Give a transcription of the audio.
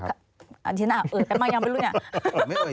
ฉันอ่ะเอิดกันบ้างยังไม่รู้เนี่ย